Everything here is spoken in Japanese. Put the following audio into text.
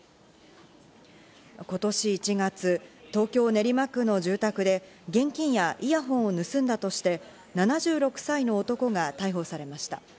今年１月、東京・練馬区の住宅で現金やイヤホンを盗んだとして７６歳の男が逮捕されました。